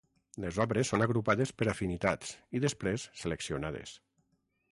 Les obres són agrupades per afinitats i després seleccionades.